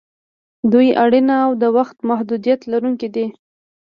دوی اړین او د وخت محدودیت لرونکي دي.